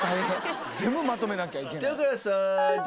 全部まとめなきゃいけない。